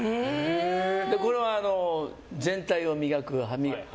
これは、全体を磨く歯磨き。